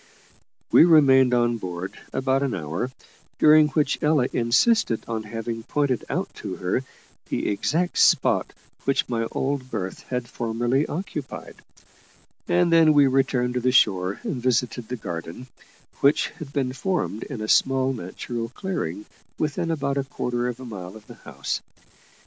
We remained on board about an hour, during which Ella insisted on having pointed out to her the exact spot which my old berth had formerly occupied; and then we returned to the shore and visited the garden, which had been formed in a small natural clearing within about a quarter of a mile of the house.